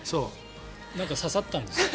なんか刺さったんです。